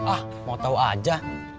ah mau tau aja